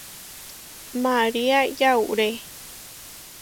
María yauré.